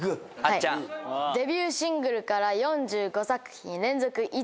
デビューシングルから４５作品連続１位。